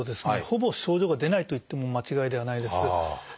ほぼ症状が出ないといっても間違いではないです。